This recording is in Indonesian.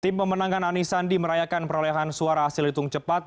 tim pemenangan ani sandi merayakan perolehan suara hasil hitung cepat